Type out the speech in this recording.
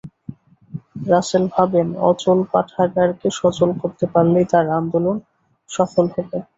রাসেল ভাবেন, অচল পাঠাগারকে সচল করতে পারলেই তাঁর আন্দোলন সফল হবে।